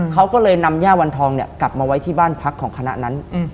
เขาก็เลยนำย่าวันทองเนี่ยกลับมาไว้ที่บ้านพักของคณะนั้น